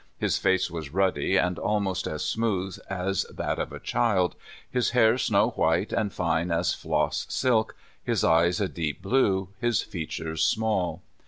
His face was ruddy and almost as smooth as that of a child, his hair snow white and fine as floss silk, his eyes a deep blue, his features small.